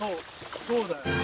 そうだよ。